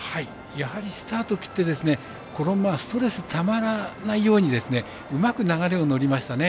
やはりスタートを切ってストレスたまらないようにうまく流れに乗りましたね。